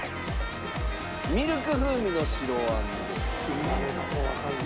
ミルク風味の白あんです。